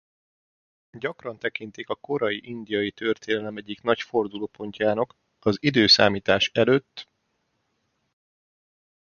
Gyakran tekintik a korai indiai történelem egyik nagy fordulópontjának az i.e.